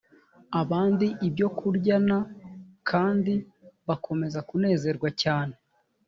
abandi ibyokurya n kandi bakomeza kunezerwa cyane